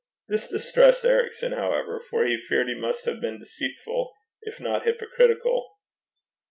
This distressed Ericson, however, for he feared he must have been deceitful, if not hypocritical.